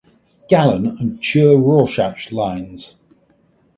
Gallen and Chur–Rorschach lines.